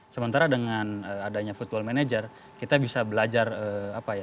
sementara dengan adanya football manager kita bisa belajar apa ya